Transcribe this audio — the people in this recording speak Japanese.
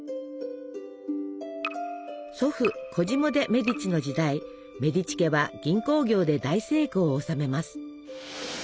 祖父コジモ・デ・メディチの時代メディチ家は銀行業で大成功を収めます。